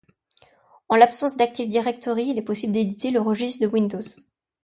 En l'absence d'Active Directory il est possible d'éditer le registre de windows.